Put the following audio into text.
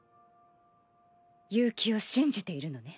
悠希を信じているのね。